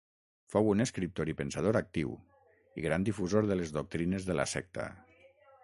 Fou un escriptor i pensador actiu, i gran difusor de les doctrines de la secta.